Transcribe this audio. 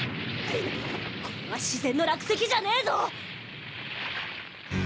これは自然の落石じゃねえぞ！